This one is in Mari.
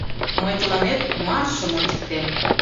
— Мый тыланет маршым ончыктем!